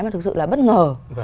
mà thực sự là bất ngờ